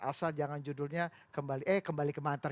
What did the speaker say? asal jangan judulnya kembali kemantan